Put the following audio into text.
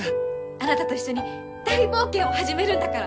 あなたと一緒に大冒険を始めるんだから！